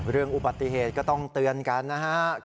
เรื่องอุบัติเหตุก็ต้องเตือนกันนะครับ